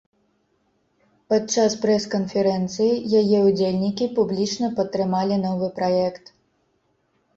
Падчас прэс-канферэнцыі яе ўдзельнікі публічна падтрымалі новы праект.